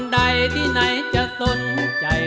ได้ให้ต้องให้ได้